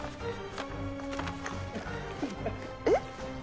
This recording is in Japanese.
えっ？